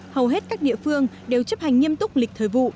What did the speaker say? hầu hết các địa phương đều chấp hành nghiêm túc lịch thời vụ